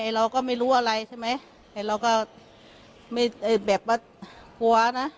เราก็ไม่รู้อะไรใช่ไหมแต่เราก็ไม่แบบว่ากลัวนะ